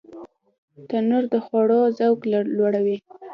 تنور د خوړو ذوق لوړوي